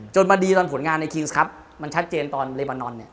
จนมาดีตอนผลงานในคิงส์ครัพท์มันชัดเจนตอนไรบาคนอน